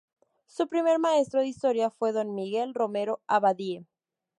Su primer maestro de Historia fue don Miguel Romero Abadie.